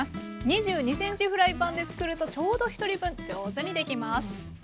２２ｃｍフライパンで作るとちょうどひとり分上手にできます。